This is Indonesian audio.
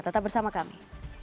tetap bersama kami